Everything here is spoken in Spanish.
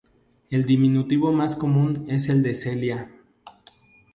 El diminutivo más común es el de Celia.